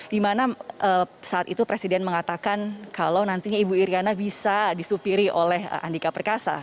dimana saat itu presiden mengatakan kalau nantinya ibu iryana bisa disupiri oleh andika perkasa